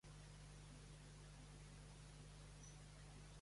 La classe treballadora blanca havia establert dominància.